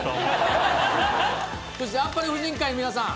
そしてあっぱれ婦人会の皆さん。